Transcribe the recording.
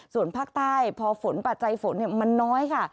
ส่วนภาคใต้พอฝนปัจจัยฝนมันน้อยค่ะ